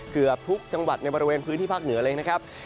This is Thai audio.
เกือบทุกจังหวัดในบริเวณพื้นที่ภาคเหนือเลยนะครับ